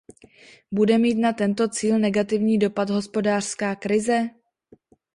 Bude mít na tento cíl negativní dopad hospodářská krize?